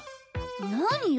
何よ。